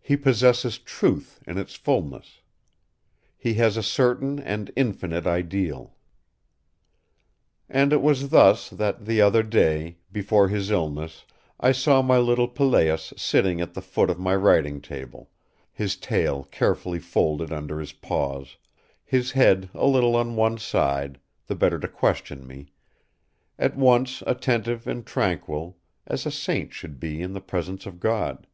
He possesses truth in its fulness. He has a certain and infinite ideal. IV And it was thus that, the other day, before his illness, I saw my little Pelléas sitting at the foot of my writing table, his tail carefully folded under his paws, his head a little on one side, the better to question me, at once attentive and tranquil, as a saint should be in the presence of God.